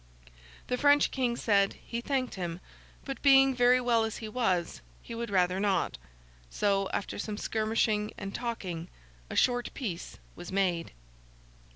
The French King said, he thanked him; but being very well as he was, he would rather not. So, after some skirmishing and talking, a short peace was made.